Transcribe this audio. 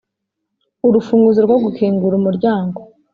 urufunguzo rwo gukingura umuryango